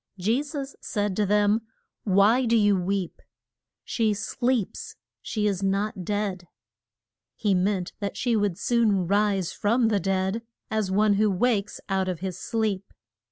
Je sus said to them, Why do you weep? She sleeps; she is not dead. He meant that she would soon rise from the dead, as one who wakes out of his sleep.